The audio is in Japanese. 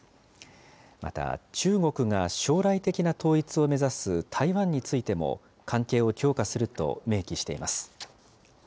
また、中国が将来的な統一を目指す台湾についても、関係を強化すると明記しています。